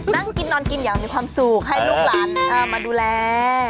นั่งกินนอนกินอย่างมีความสุขให้ลูกหลานมาดูแล